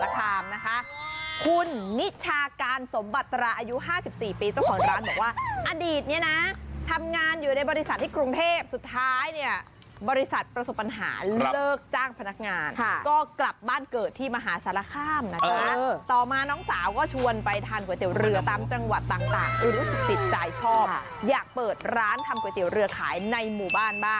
คุณนิชาการสมบัตราอายุ๕๐ปีเจ้าของร้านบอกว่าอดีตนี้นะทำงานอยู่ในบริษัทที่กรุงเทพสุดท้ายเนี่ยบริษัทประสบปัญหาเลิกจ้างพนักงานก็กลับบ้านเกิดที่มหาศาลค่ำนะคะต่อมาน้องสาวก็ชวนไปทานก๋วยเตี๋ยวเรือตามจังหวะต่างอื่นรู้สึกติดใจชอบอยากเปิดร้านทำก๋วยเตี๋ยวเรือขายในหมู่บ